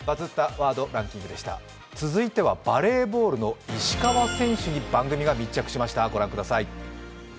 続いてはバレーボールの石川選手に番組が密着しました。